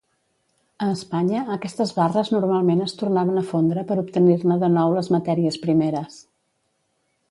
A Espanya, aquestes barres normalment es tornaven a fondre per obtenir-ne de nou les matèries primeres.